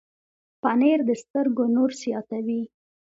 پنېر د سترګو نور زیاتوي.